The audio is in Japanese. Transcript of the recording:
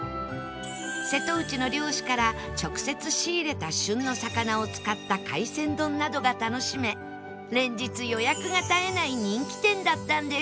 瀬戸内の漁師から直接仕入れた旬の魚を使った海鮮丼などが楽しめ連日予約が絶えない人気店だったんです